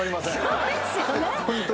そうですよね。